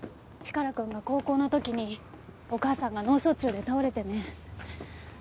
チカラくんが高校の時にお母さんが脳卒中で倒れてね。